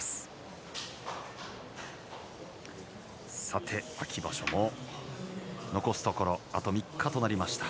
さて、秋場所も残すところあと３日となりました。